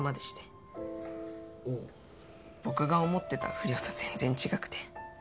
僕が思ってた不良と全然違くて。